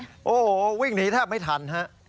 โอ้โหวิ่งหนีแทบไม่ทันฮะ